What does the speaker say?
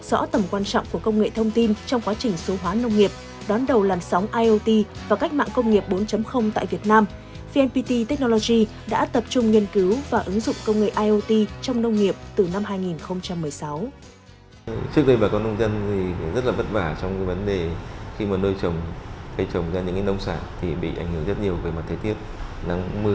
để tạo ra được một sản phẩm hoàn thiện như vậy pnpt technology đã khởi động đồng thời các dự án nghiên cứu phát triển